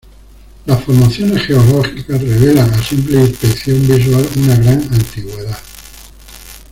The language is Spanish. Las formaciones geológicas revelan a simple inspección visual una gran antigüedad.